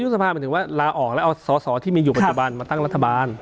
สภาหมายถึงว่าลาออกแล้วเอาสอสอที่มีอยู่ปัจจุบันมาตั้งรัฐบาล